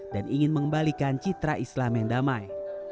ingin mengembalikan citra islam yang damai